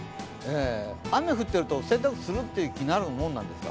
雨降っていると洗濯するっていう気になるもんですか？